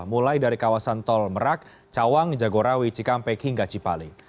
mulai dari kawasan tol merak cawang jagorawi cikampek hingga cipali